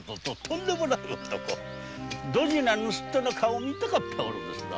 ドジな盗っ人の顔見たかったものですな。